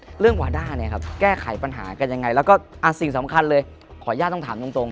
เรื่องวาด้าเนี่ยครับแก้ไขปัญหากันยังไงแล้วก็สิ่งสำคัญเลยขออนุญาตต้องถามตรง